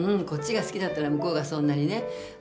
こっちが好きだったら向こうがそんなにね